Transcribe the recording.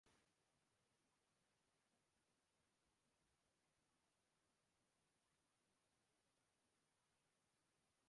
– Bugun o‘tgan hayotingiz, ijodingizga nazar tashlang.